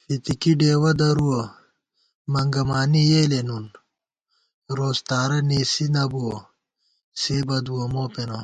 فِتِکی ڈېوَہ درُوَہ مَنگَمانی یېلےنُن * روڅتارہ نېسی نہ بُوَہ سے بدُوَہ مو پېنہ